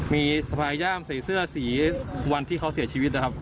มีสะพายย่ามใส่เสื้อสีวันที่เขาเสียชีวิตนะครับ